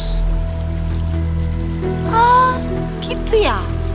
eeeh gitu ya